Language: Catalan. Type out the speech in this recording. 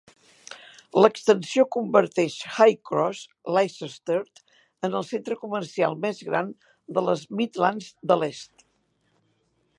L'extensió converteix Highcross Leicestert en el centre comercial més gran de les Midlands de l'Est.